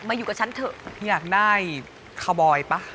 หมวกปีกดีกว่าหมวกปีกดีกว่า